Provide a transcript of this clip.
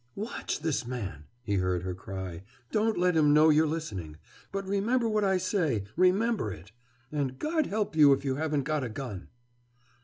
"Watch this man!" he heard her cry. "Don't let him know you're listening. But remember what I say, remember it. And God help you if you haven't got a gun."